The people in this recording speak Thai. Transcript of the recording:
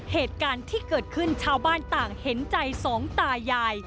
เหตุการณ์ที่เกิดขึ้นชาวบ้านต่างเห็นใจสองตายาย